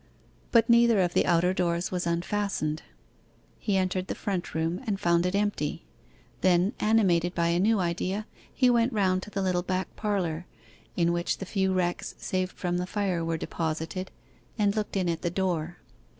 But neither of the outer doors was unfastened. He entered the front room, and found it empty. Then animated by a new idea, he went round to the little back parlour, in which the few wrecks saved from the fire were deposited, and looked in at the door.